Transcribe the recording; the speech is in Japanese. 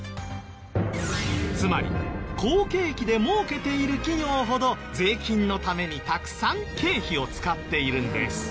つまり好景気で儲けている企業ほど税金のためにたくさん経費を使っているんです。